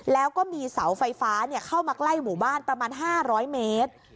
แล้วก็มีเสาไฟฟ้าเข้ามาใกล้หมู่บ้านประมาณ๕๐๐เมตร